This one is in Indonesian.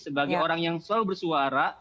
sebagai orang yang selalu bersuara